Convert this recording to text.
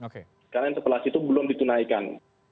karena interpelasi itu belum ditunaikan